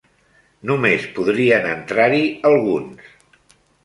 Només podrien entrar-hi alguns.